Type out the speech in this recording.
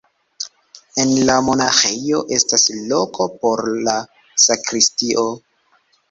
En la monaĥejo estas loko por la sakristio.